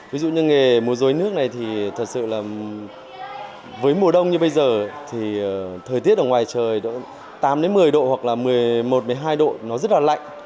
ví dụ như nghề múa dối nước này thì thật sự là với mùa đông như bây giờ thì thời tiết ở ngoài trời độ tám một mươi độ hoặc là một mươi một một mươi hai độ nó rất là lạnh